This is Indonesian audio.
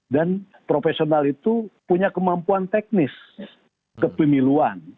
dan profesional itu punya kemampuan teknis kepemiluan